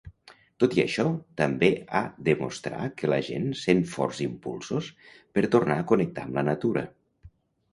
Tot i això, també ha demostrar que la gent sent forts impulsos per tornar a connectar amb la natura.